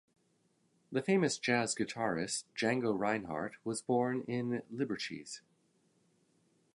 The famous Jazz guitarist Django Reinhardt was born in Liberchies.